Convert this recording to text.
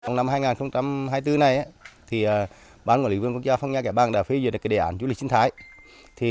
năm hai nghìn hai mươi bốn này bản quản lý quân quốc gia phong nha kẻ bàng đã phê duyệt đề ảnh du lịch sinh thái